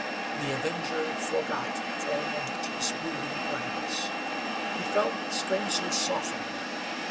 The Avenger forgot, for a moment his brooding plans. He felt strangely softened.